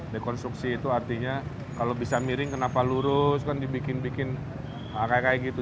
dekonstruksi itu artinya kalau bisa miring kenapa lurus kan dibikin bikin kayak gitu